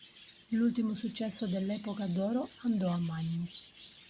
L'ultimo successo dell'epoca d'oro andò a Magni.